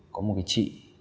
có một cái chị